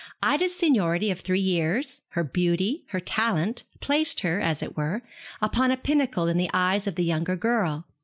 Ida's seniority of three years, her beauty, her talent, placed her, as it were, upon a pinnacle in the eyes of the younger girl.